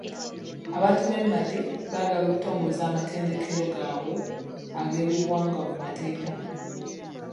Abantu b'e Madi baagala okutongoza amatendekero gaabwe ag'ebyobuwangwa mu mateeka.